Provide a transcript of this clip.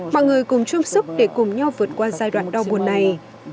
mọi người cùng chung sức để cùng nhau vượt qua giai đoạn đau buồn này